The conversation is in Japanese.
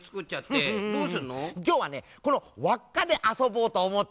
きょうはねこのわっかであそうぼうとおもってさ。